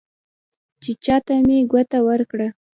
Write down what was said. چې چا ته مې ګوته ورکړه،